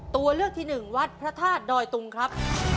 ตัวเลือกที่หนึ่งวัดพระธาตุดอยตุงครับ